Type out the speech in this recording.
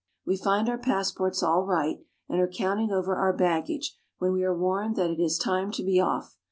We find our passports all right, and are counting over our baggage when we are warned that it is time to be oflf.